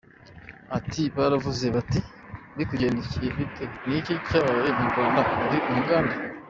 Ati “Baravuze bati bikugendekeye bite, ni iki cyabaye mu Rwanda? Uri umugande.